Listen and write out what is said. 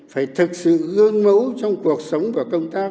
phải thực sự gương mẫu trong cuộc sống và công tác